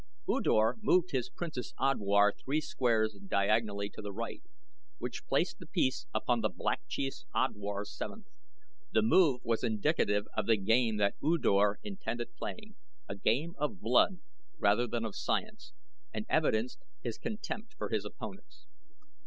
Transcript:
U Dor moved his Princess' Odwar three squares diagonally to the right, which placed the piece upon the Black Chief's Odwar's seventh. The move was indicative of the game that U Dor intended playing a game of blood, rather than of science and evidenced his contempt for his opponents.